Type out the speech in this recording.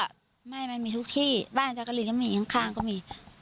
ตอนนั้นมันมีทุกที่บ้านซาครีนมียั่งข้างก็มี